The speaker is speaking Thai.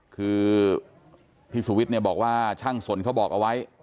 คือพี่สุวิทย์เนี่ยบอกว่าช่างสนเขาบอกเอาไว้